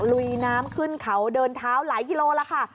ลุยน้ำขึ้นเขาเดินเท้าหลายกิโลแล้วค่ะ